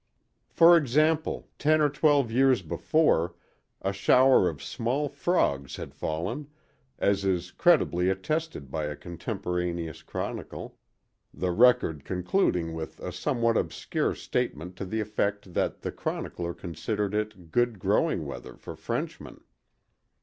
For example, ten or twelve years before, a shower of small frogs had fallen, as is credibly attested by a contemporaneous chronicle, the record concluding with a somewhat obscure statement to the effect that the chronicler considered it good growing weather for Frenchmen.